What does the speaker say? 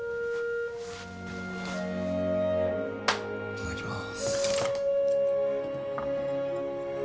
いただきます。